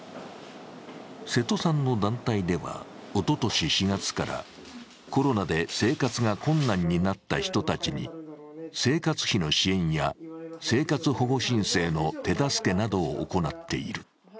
瀬戸さんの団体ではおととし４月からコロナで生活が困難になった人たちに生活費の支援や生活保護申請の手助けなどを行っている。